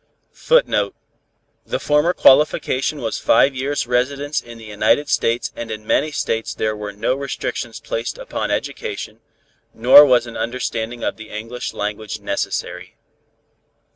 [Footnote: The former qualification was five years' residence in the United States and in many States there were no restrictions placed upon education, nor was an understanding of the English language necessary.